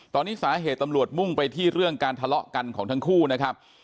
ตอนนี้สาเหตุตำรวจมุ่งไปที่เรื่องการทะเลาะกันของทั้งคู่นะครับ